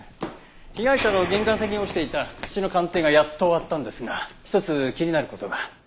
被害者の玄関先に落ちていた土の鑑定がやっと終わったんですが一つ気になる事が。